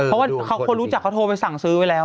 เพราะว่าคนรู้จักเขาโทรไปสั่งซื้อไว้แล้ว